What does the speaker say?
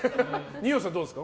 二葉さんはどうですか？